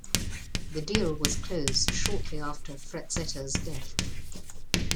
The deal was closed shortly after Frazetta's death.